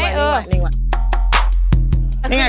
ขอบคุณมากค่ะ